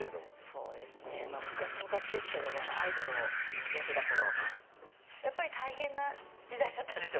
そうですね昔々ですけどもアイドルをやってた頃やっぱり大変な時代だったんですよ